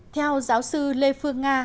theo giáo sư lê phương nga